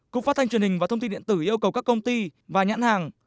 cục phát thanh truyền hình và thông tin điện tử yêu cầu các công ty và nhãn hàng